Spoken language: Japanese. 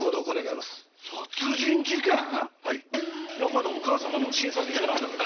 まだお母様の診察中なんだけど。